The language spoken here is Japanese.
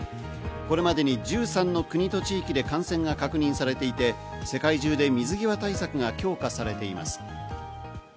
これまで１３の国と地域で感染が確認されていて、世界中で水際対策が強化されています。